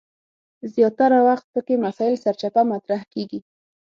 زیاتره وخت پکې مسایل سرچپه مطرح کیږي.